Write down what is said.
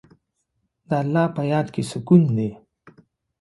د الله په یاد کې سکون دی.